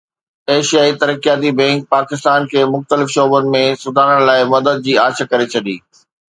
ايشيائي ترقياتي بئنڪ پاڪستان کي مختلف شعبن ۾ سڌارن لاءِ مدد جي آڇ ڪري ڇڏي